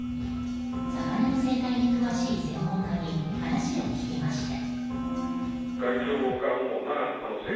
魚の生体に詳しい専門家に話を聞きました。